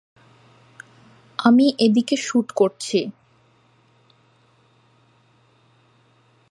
আমি এদিকে শুট করছি।